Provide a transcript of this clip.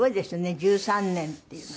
１３年っていうのは。